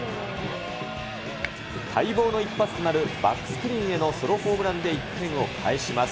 待望の一発となるバックスクリーンへのソロホームランで１点を返します。